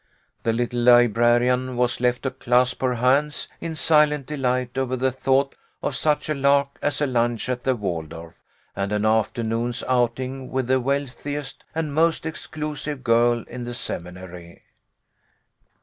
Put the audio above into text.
The little librarian was left to clasp her hands in silent delight over the thought of such a lark as a lunch at the Waldorf and an afternoon's outing with the wealthiest and most exclusive girl in the Seminary.